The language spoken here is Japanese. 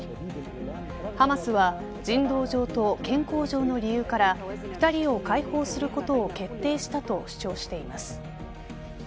ハマスは人道上と健康上の理由から２人を解放することを決定したと主張しています。